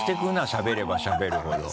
しゃべればしゃべるほど。